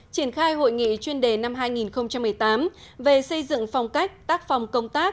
triển khai hội nghị chuyên đề năm hai nghìn một mươi tám về xây dựng phong cách tác phòng công tác